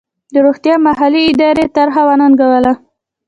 د روغتیا محلي ادارې طرحه وننګوله.